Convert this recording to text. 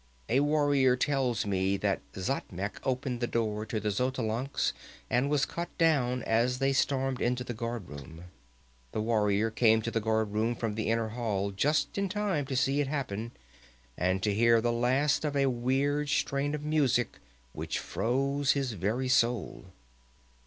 "A warrior tells me that Xatmec opened the door to the Xotalancas and was cut down as they stormed into the guardroom. This warrior came to the guardroom from the inner hall just in time to see it happen and to hear the last of a weird strain of music which froze his very soul.